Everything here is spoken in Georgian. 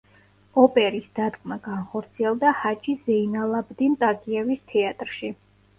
ოპერის დადგმა განხორციელდა ჰაჯი ზეინალაბდინ ტაგიევის თეატრში.